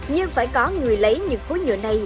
nhưng phải có người lấy những khối nhựa này